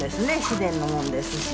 自然のもんですし。